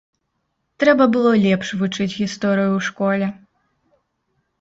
Трэба было лепш вучыць гісторыю ў школе.